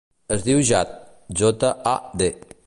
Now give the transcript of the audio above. Es diu Jad: jota, a, de.